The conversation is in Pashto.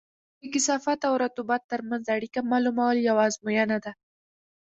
د کثافت او رطوبت ترمنځ اړیکه معلومول یوه ازموینه ده